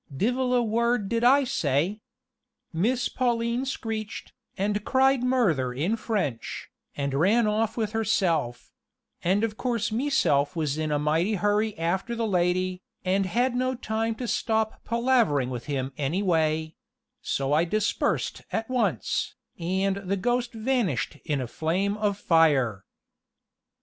Divil a word did I say. Miss Pauline screeched, and cried murther in French, and ran off with herself; and of course meself was in a mighty hurry after the lady, and had no time to stop palavering with him any way: so I dispersed at once, and the ghost vanished in a flame of fire!"